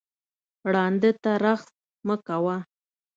ړانده ته رخس مه کوه